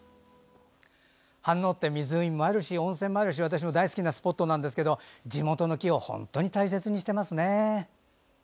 飯能って湖もあるし温泉もあるし、私も大好きなスポットなんですけど地元の木を本当に大切にしてますね。